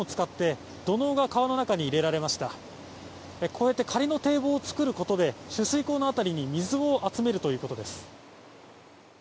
こうやって仮の堤防を作ることで取水口の辺りに水を集めるということです。